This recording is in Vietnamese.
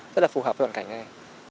rất là phù hợp với bản cảnh này